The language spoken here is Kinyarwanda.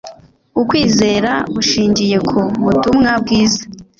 ukwizera gushingiye ku butumwa bwiza